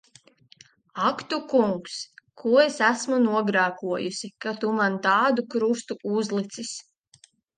Ak tu Kungs! Ko es esmu nogrēkojusi, ka tu man tādu krustu uzlicis!